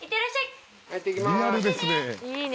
リアルですね。